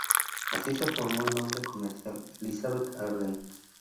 Así se formó el nombre comercial "Elizabeth Arden".